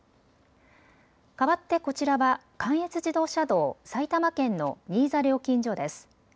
かわってこちらは関越自動車道埼玉県の新座料金所です。